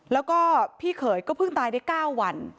แล้วก็พี่เขยก็เพิ่งตายได้๙วัน